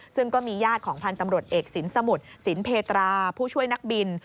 ซึ่งก็มีญาติของพันธ์ตำรวจเอกสินสมุทรสินเพตราผู้ช่วยนักบิน